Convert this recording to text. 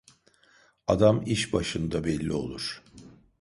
Adam iş başında belli olur.